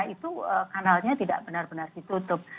itu kanalnya tidak benar benar ditutup